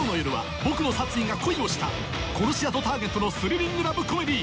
殺し屋とターゲットのスリリング・ラブコメディー